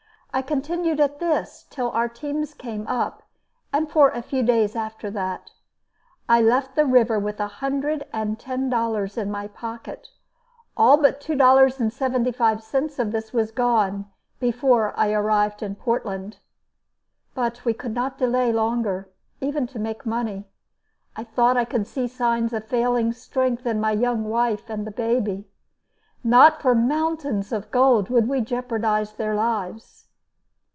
I continued at this till our teams came up, and for a few days after that. I left the river with a hundred and ten dollars in my pocket. All but two dollars and seventy five cents of this was gone before I arrived in Portland. But we could not delay longer, even to make money. I thought I could see signs of failing strength in my young wife and the baby. Not for mountains of gold would we jeopardize their lives.